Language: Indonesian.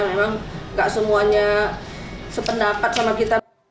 memang nggak semuanya sependapat sama kita